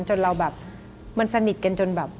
จนมันสนิทกัน